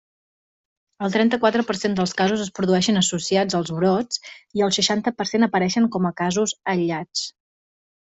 El trenta-quatre per cent dels casos es produïxen associats als brots i el seixanta per cent apareixen com a casos aïllats.